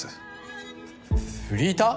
ふフリーター？